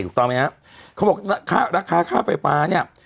ถูกต้องไหมฮะเขาบอกค่าราคาค่าไฟฟ้าเนี่ย